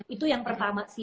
itu yang pertama sih